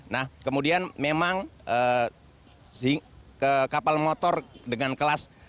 nah kemudian memang kapal motor dengan kelas